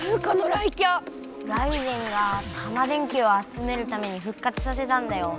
ライデェンがタマ電Ｑをあつめるためにふっ活させたんだよ。